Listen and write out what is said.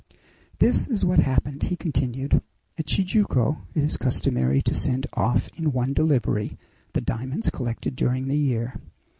"This is what happened," he continued. "At Tijuco it is customary to send off in one delivery the diamonds collected during the year.